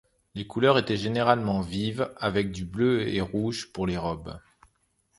Les couleurs étaient généralement vives, avec du bleu et rouge pour les robes.